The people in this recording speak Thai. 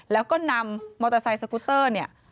แล้วก็นำมอเตอร์ไซค์สกุตเตอร์เนี่ย